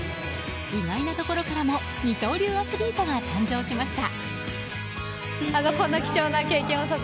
意外なところからも二刀流アスリートが誕生しました。